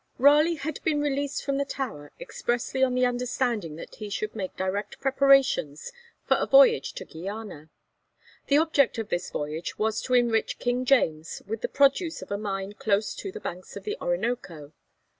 Raleigh had been released from the Tower expressly on the understanding that he should make direct preparations for a voyage to Guiana. The object of this voyage was to enrich King James with the produce of a mine close to the banks of the Orinoco.